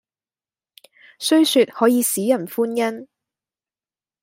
雖說可以使人歡欣，